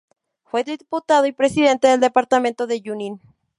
Fue Diputado y presidente del departamento de Junín.